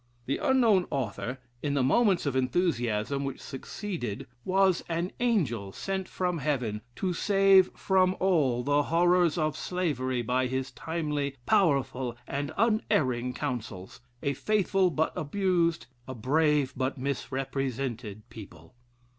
The unknown author, in the moments of enthusiasm which succeeded, was an angel sent from heaven to save from all the horrors of slavery by his timely, powerful, and unerring councils, a faithful but abused, a brave but misrepresented people."